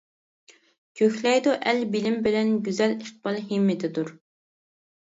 كۆكلەيدۇ ئەل بىلىم بىلەن، گۈزەل ئىقبال ھىممىتىدۇر!